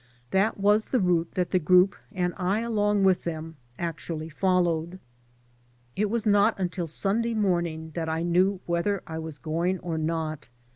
That was the route that the group, and I along with them, actually followed. It was not until Sunday morning that I knew whether I was going or not.